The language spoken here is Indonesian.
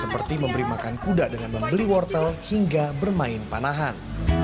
seperti memberi makan kuda dengan membeli wortel hingga bermain panahan